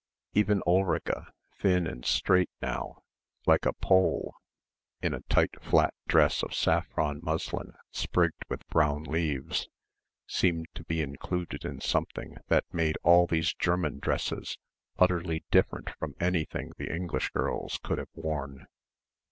Even Ulrica, thin and straight now ... like a pole ... in a tight flat dress of saffron muslin sprigged with brown leaves, seemed to be included in something that made all these German dresses utterly different from anything the English girls could have worn.